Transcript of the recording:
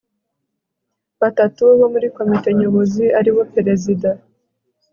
batatu bo muri komite nyobozi aribo perezida